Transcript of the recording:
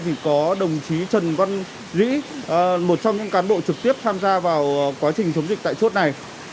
thì có đồng chí trần văn dĩ một trong những cán bộ trực tiếp tham gia vào quá trình chống dịch tại chốt này